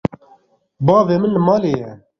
Bavê min li malê ye.